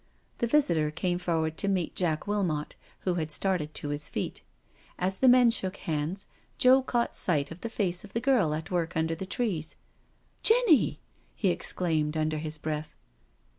The visitor came forward to meet Jack Wilmot, who had started to his feet. As the men shook hands Joe caught sight of the face of the girl at work under the trees. " Jenny I" he exclaimed under his breath.